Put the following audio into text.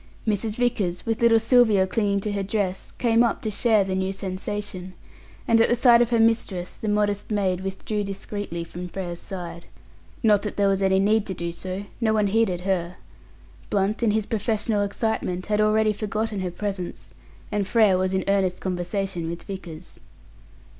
Mrs. Vickers, with little Sylvia clinging to her dress, came up to share the new sensation; and at the sight of her mistress, the modest maid withdrew discreetly from Frere's side. Not that there was any need to do so; no one heeded her. Blunt, in his professional excitement, had already forgotten her presence, and Frere was in earnest conversation with Vickers.